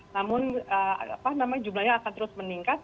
namun jumlahnya akan terus meningkat